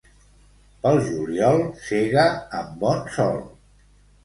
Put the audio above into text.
Pel juliol sega amb bon sol.